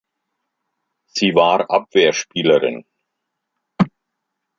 Sie war Abwehrspielerin.